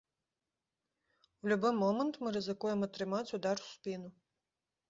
У любы момант мы рызыкуем атрымаць удар у спіну.